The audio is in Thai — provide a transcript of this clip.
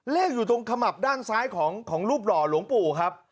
อยู่ตรงขมับด้านซ้ายของรูปหล่อหลวงปู่ครับ